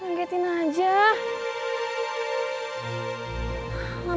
jakarta pacet pak